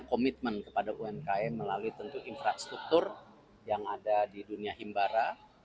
komitmen kepada umkm melalui tentu infrastruktur yang ada di dunia himbara